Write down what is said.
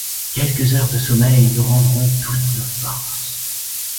Quelques heures de sommeil nous rendront toutes nos forces.